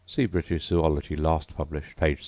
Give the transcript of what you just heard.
See British Zoology last published, p. 16.